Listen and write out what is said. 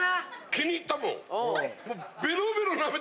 気に入ったもん！